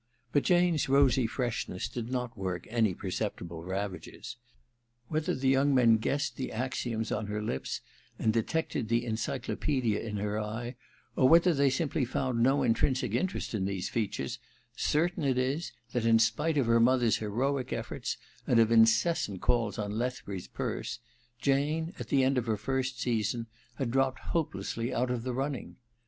But Jane's rosy freshness did not work any perceptible ravages. Whether the young men guessed the axioms on her lips and detected the encyclopaedia in her eye, or whether they simply found no intrinsic interest in these features, certain it is, that, in spite of her mother's heroic efforts, and of incessant calls on Lethbury 's purse, Jane, at the end of her first season, had tflropped hopelessly out of the running.